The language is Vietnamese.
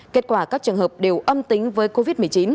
kết quả các trường hợp đều âm tính với covid một mươi chín